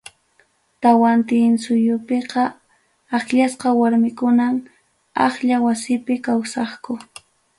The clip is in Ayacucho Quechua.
Tawantinsuyupiqa, akllasqa warmakunam aklla wasipi kawsaqku.